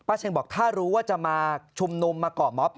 เชงบอกถ้ารู้ว่าจะมาชุมนุมมาก่อม็อบ